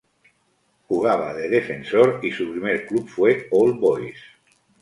Jugaba de defensor y su primer club fue All Boys.